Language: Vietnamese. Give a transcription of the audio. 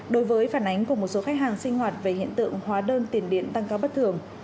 đối với phản ánh của một số khách hàng sinh hoạt về hiện tượng hóa đơn tiền điện tăng cao bất thường